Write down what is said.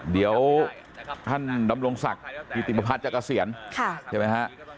เดี๋ยวท่านดำรงศักดิ์กิติมพัฒน์จักรเกษียณใช่ไหมฮะ